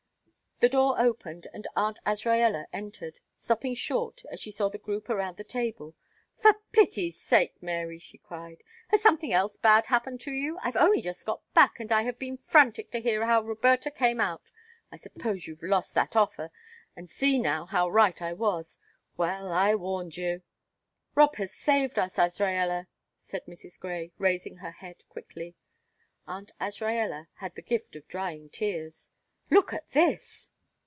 The door opened, and Aunt Azraella entered, stopping short, as she saw the group around the table. "For pity's sake, Mary," she cried, "has something else bad happened to you? I've only just got back, and I have been frantic to hear how Roberta came out. I suppose you've lost that offer, and see now how right I was. Well, I warned you." "Rob has saved us, Azraella," said Mrs. Grey, raising her head quickly Aunt Azraella had the gift of drying tears. "Look at this."